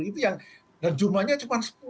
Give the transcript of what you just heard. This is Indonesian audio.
itu yang jumlahnya cuma sepuluh